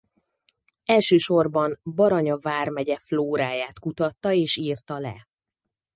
Elsősorban Baranya vármegye flóráját kutatta és írta le.